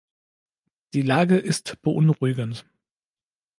Die Lage ist beunruhigend.